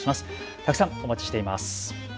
たくさんお待ちしています。